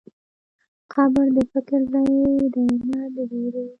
قبر د فکر ځای دی، نه د وېرې.